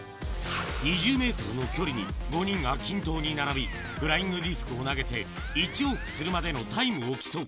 ２０メートルの距離に５人が均等に並び、フライングディスクを投げて、１往復するまでのタイムを競う。